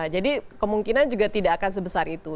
jadi kemungkinan juga tidak akan sebesar itu